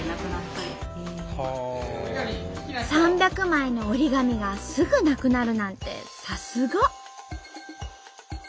３００枚の折り紙がすぐなくなるなんてさすが！